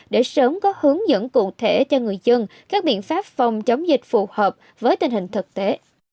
để sớm có hướng dẫn cụ thể cho người dân các biện pháp phòng chống dịch phù hợp với tình hình thực tế